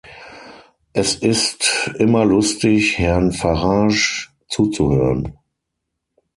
Es ist immer lustig, Herrn Farage zuzuhören.